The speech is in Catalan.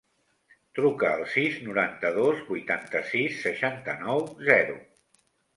Truca al sis, noranta-dos, vuitanta-sis, seixanta-nou, zero.